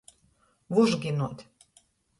Vužgynuot.